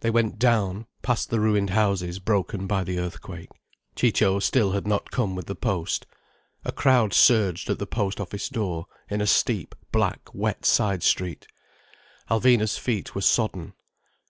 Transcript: They went down, past the ruined houses broken by the earthquake. Ciccio still had not come with the post. A crowd surged at the post office door, in a steep, black, wet side street. Alvina's feet were sodden.